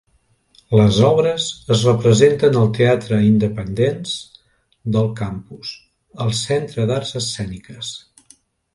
Les obres es representen al teatre Independence del campus, el Centre d'Arts Escèniques.